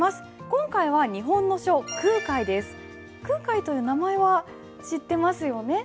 今回は日本の書空海という名前は知ってますよね？